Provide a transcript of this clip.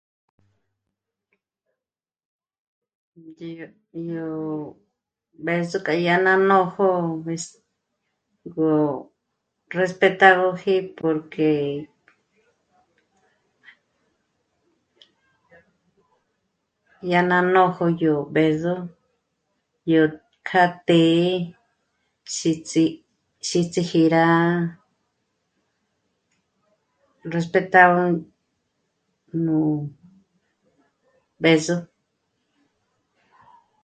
Yó b'ë́zo k'a dyá ná nójo es... gö respetágöji porque yá ná nójo b'ëzo yó kjátë́'ë xíts'i... xíts'iji rá réspetágö nú b'ë́zo